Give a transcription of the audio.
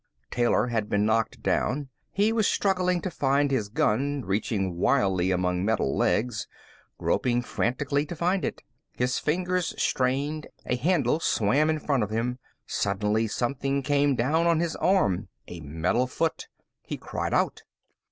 Taylor had been knocked down. He was struggling to find his gun, reaching wildly among metal legs, groping frantically to find it. His fingers strained, a handle swam in front of him. Suddenly something came down on his arm, a metal foot. He cried out.